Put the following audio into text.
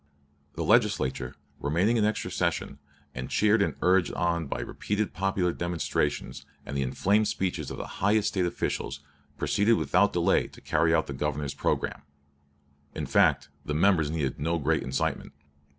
The Legislature, remaining in extra session, and cheered and urged on by repeated popular demonstrations and the inflamed speeches of the highest State officials, proceeded without delay to carry out the Governor's programme. In fact, the members needed no great incitement.